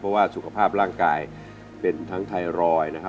เพราะว่าสุขภาพร่างกายเป็นทั้งไทรอยด์นะครับ